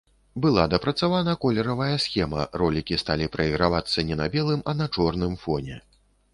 Была дапрацавана колеравая схема, ролікі сталі прайгравацца не на белым, а на чорным фоне.